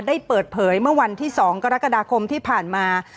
ได้เปิดเผยเมื่อวันที่๒กรกฎาคมที่ผ่านมา